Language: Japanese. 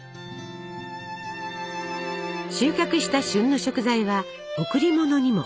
収穫した旬の食材は贈り物にも。